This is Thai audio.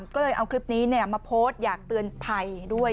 ก็เลยเอาคลิปนี้มาโพสต์อยากเตือนภัยด้วย